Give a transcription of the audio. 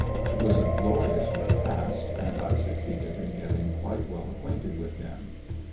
It was a glorious repast, and I succeeded in getting quite well acquainted with him.